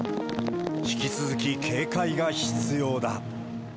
引き続き警戒が必要だ。